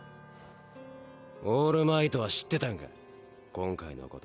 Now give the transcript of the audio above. オールマイトは知ってたんか今回の事。